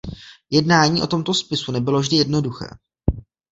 Jednání o tomto spisu nebylo vždy jednoduché.